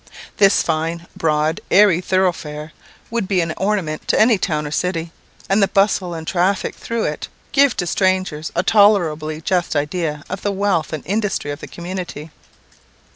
This fine, broad, airy thoroughfare, would be an ornament to any town or city, and the bustle and traffic through it give to strangers a tolerably just idea of the wealth and industry of the community.